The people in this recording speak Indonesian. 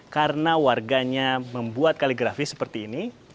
karena warganya membuat kaligrafi seperti ini